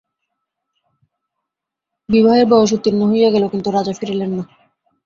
বিবাহের বয়স উত্তীর্ণ হইয়া গেল কিন্তু রাজা ফিরিলেন না।